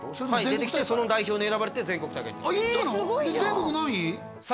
出てきてその代表に選ばれて全国大会にあっ行ったの？